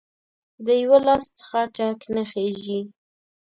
د یو لاس څخه ټک نه خیژي